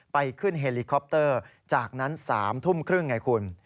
ไปขึ้นเฮลิคอปเตอร์จากนั้น๓ทุ่มครึ่งไงคุณ